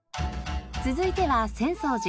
続いては浅草寺。